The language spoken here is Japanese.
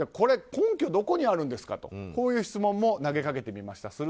根拠はどこにあるんですかという質問も投げかけてみました。